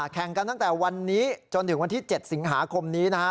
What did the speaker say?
แข่งกันตั้งแต่วันนี้จนถึงวันที่๗สิงหาคมนี้นะฮะ